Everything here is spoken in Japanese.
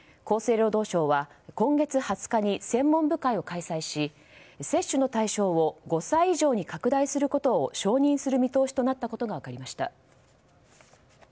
厚生労働省は今月２０日に専門部会を開催し接種の対象を５歳以上に拡大することを承認する見通しとなったことが分かりました。